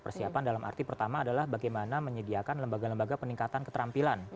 persiapan dalam arti pertama adalah bagaimana menyediakan lembaga lembaga peningkatan keterampilan